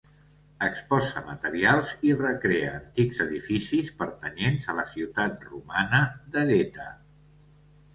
Exposa materials i recrea antics edificis pertanyents a la ciutat romana d'Edeta.